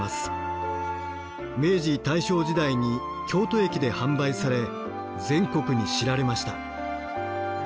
明治・大正時代に京都駅で販売され全国に知られました。